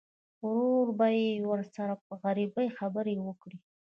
ورور به مې ورسره په عربي خبرې وکړي.